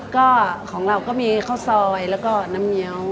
ก็ของเราก็มีข้าวซอยแล้วก็น้ำเงี้ยว